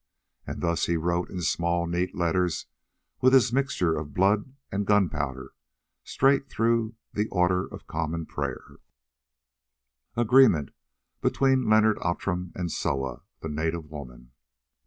And thus he wrote in small, neat letters with his mixture of blood and gunpowder straight through the Order of Common Prayer:— "AGREEMENT BETWEEN LEONARD OUTRAM AND SOA, THE NATIVE WOMAN.